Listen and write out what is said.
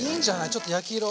ちょっと焼き色。